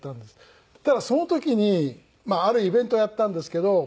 その時にあるイベントをやったんですけど。